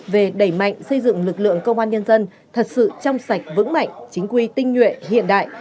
về đẩy mạnh xây dựng lực lượng công an nhân dân thật sự trong sạch vững mạnh chính quy tinh nhuệ hiện đại